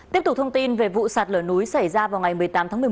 tiếp tục thông tin về vụ sạt lở núi xảy ra vào ngày một mươi tám tháng một mươi một